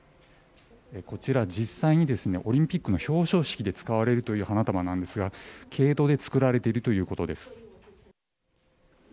こちら実際にオリンピックの表彰式で使われるという花束ですが毛糸で作られているということです。